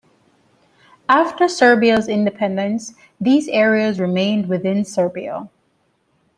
After Serbia's independence, these areas remained within Serbia.